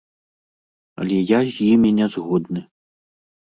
Але я з імі не згодны.